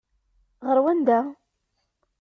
Ɣer wanda?